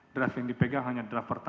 draft yang dipegang hanya draft